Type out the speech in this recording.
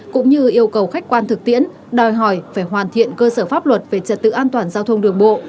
cũng như yêu cầu khách quan thực tiễn đòi hỏi phải hoàn thiện cơ sở pháp luật về trật tự an toàn giao thông đường bộ